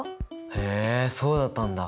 へえそうだったんだ。